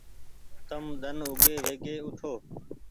تم ۮن اوگي ويگي اوٺو۔